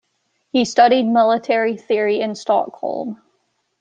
He studied military theory in Stockholm.